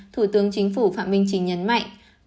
thủ tướng chính phủ phạm minh trình nhấn mạnh